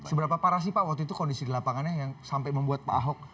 seberapa parah sih pak waktu itu kondisi di lapangannya yang sampai membuat pak ahok